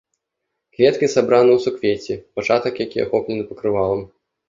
Кветкі сабраны ў суквецце пачатак, які ахоплены пакрывалам.